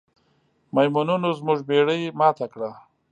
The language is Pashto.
میمونونو زموږ بیړۍ ماته کړه.